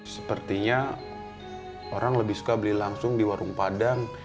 sepertinya orang lebih suka beli langsung di warung padang